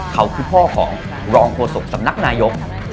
เขาคือพ่อของรองโฆษกสำนักนายก